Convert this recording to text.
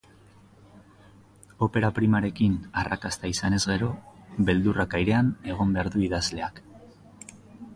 Opera primarekin arrakasta izanez gero, beldurrak airean egon behar du idazleak.